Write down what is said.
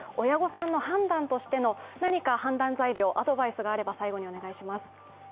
親御さんの判断としての何か判断材料、アドバイスがあればお願いします。